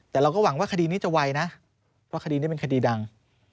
แต่เราก็หวังว่าคดีนี้จะไวนะเพราะคดีนี้เป็นคดีดัง